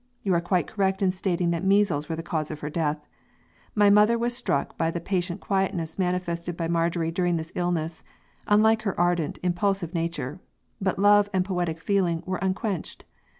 You are quite correct in stating that measles were the cause of her death. My mother was struck by the patient quietness manifested by Marjorie during this illness, unlike her ardent, impulsive nature; but love and poetic feeling were unquenched.